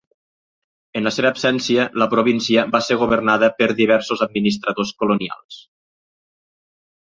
En la seva absència, la província va ser governada per diversos administradors colonials.